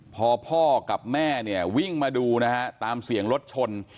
พอพ่อกับแม่เนี่ยวิ่งมาดูนะฮะตามเสียงรถชน